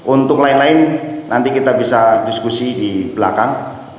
untuk lain lain nanti kita bisa diskusi di belakang